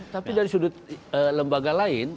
tapi dari sudut lembaga lain